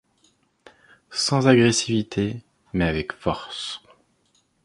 Sans agressivité mais avec force.